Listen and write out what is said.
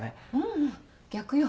ううん逆よ。